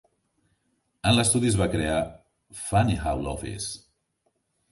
En l'estudi es va crear "Funny How Love Is".